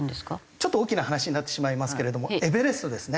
ちょっと大きな話になってしまいますけれどもエベレストですね。